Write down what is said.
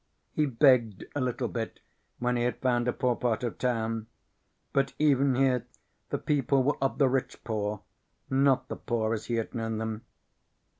He begged a little bit when he had found a poor part of town. But even here the people were of the rich poor, not the poor as he had known them.